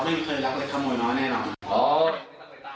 แต่เขาไม่เคยรักอะไรขโมยแน่นอนค่ะ